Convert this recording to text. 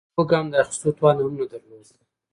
هغې د يوه ګام د اخيستو توان هم نه درلوده.